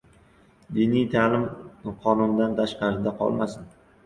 "Diniy ta’lim qonundan tashqarida qolmasin!"